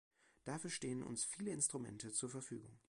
Dafür stehen uns viele Instrumente zur Verfügung.